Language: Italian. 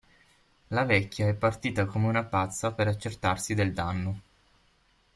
La vecchia è partita come una pazza per accertarsi del danno.